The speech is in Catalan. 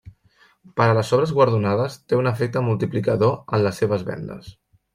Per a les obres guardonades, té un efecte multiplicador en les seves vendes.